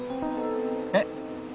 えっ？